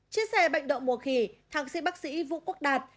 chia sẻ bệnh động mùa khỉ thằng sĩ bác sĩ vũ quốc đạt